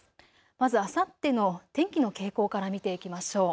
まずあさっての天気の傾向から見ていきましょう。